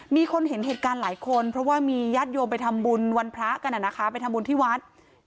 มีคนเห็นเหตุการณ์หลายคนเพราะว่ามีญาติโยมไปทำบุญวันพระกันไปทำบุญที่วัด